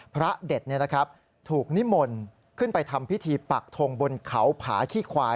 พระเด็ดถูกนิมนต์ขึ้นไปทำพิธีปักทงบนเขาผาขี้ควาย